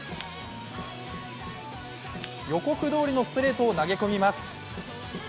予告どおりのストレートを投げ込みます。